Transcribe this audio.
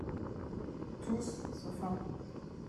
Tous, sauf un.